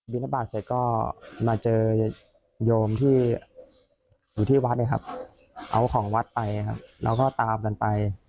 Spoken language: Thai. บิณฑบาทเสร็จก็มาเจอยมที่อยู่ที่วัดเนี่ยครับเอาของวัดไปนะครับเราก็ตามกันไป